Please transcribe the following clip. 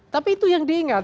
tapi itu yang diingat